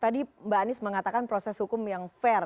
tadi mbak anies mengatakan proses hukum yang fair